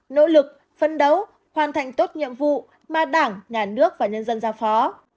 nỗ lực phân đấu hoàn thành tốt nhiệm vụ mà đảng nhà nước và nhân dân giao phó